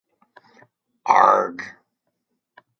Arg.